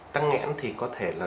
tắt ngẽn thì có thể là